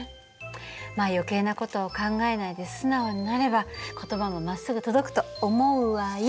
まあ余計な事を考えないで素直になれば言葉もまっすぐ届くと思うわよ。